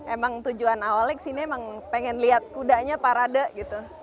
emang tujuan awalnya di sini memang pengen lihat kudanya parade gitu